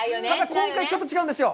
今回はちょっと違うんですよ。